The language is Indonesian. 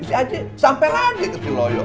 si aji sampai lagi ke si loyo